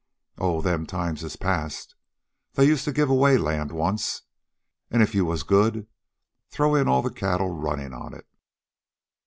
"Oh, them times is past. They used to give away land once, an' if you was good, throw in all the cattle runnin' on it."